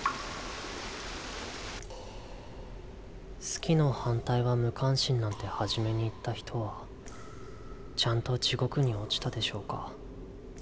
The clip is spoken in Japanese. ・「好き」の反対は「無関心」なんて初めに言った人はちゃんと地獄に落ちたでしょうか？